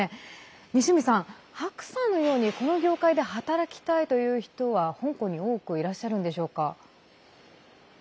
西海さん、白さんのようにこの業界で働きたいという人は香港に多くいらっしゃるんでしょうか。